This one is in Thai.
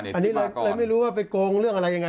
อันนี้เลยไม่รู้ว่าไปโกงเรื่องอะไรยังไง